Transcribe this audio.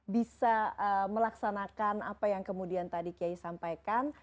bisa melaksanakan apa yang kemudian tadi kiai sampaikan